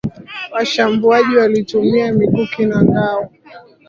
Washambuliaji walitumia mikuki na ngao